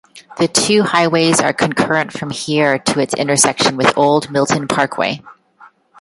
The two highways are concurrent from here to its intersection with Old Milton Parkway.